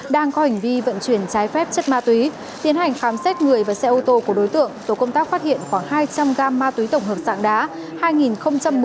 đang có hành vi vận chuyển trái phép chất ma túy tiến hành khám xét người và xe ô tô của đối tượng tổ công tác phát hiện khoảng hai trăm linh g ma túy tổng hợp sạng đá